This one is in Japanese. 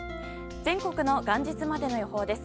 全国の元日までの予報です。